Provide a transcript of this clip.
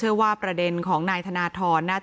และการแสดงสมบัติของแคนดิเดตนายกนะครับ